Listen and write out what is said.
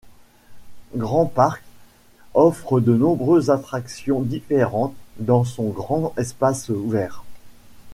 Grant Park offre de nombreuses attractions différentes dans son grand espace ouvert.